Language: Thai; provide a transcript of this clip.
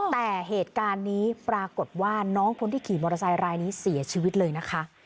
แต่เหตุการณ์นี้ปรากฏว่าน้องคนที่ขี่มอเตอร์ไซค์รายนี้เสียชีวิตเลยนะคะ